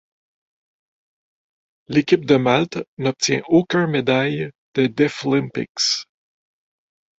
L'équipe de Malte n'obtient aucun médaille des Deaflympics.